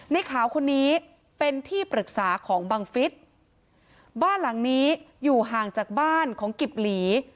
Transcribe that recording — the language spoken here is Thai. ในขาวคนนี้เป็นที่ปรึกษาของบังฟิศบ้านหลังนี้อยู่ห่างจากบ้านของกิบหลี